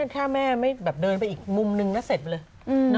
ถ้าแม่ไม่แบบเดินไปอีกมุมนึงแล้วเสร็จเรื่อง